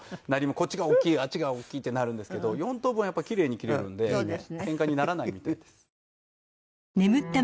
こっちが大きいあっちが大きいってなるんですけど４等分は奇麗に切れるんでケンカにならないみたいです。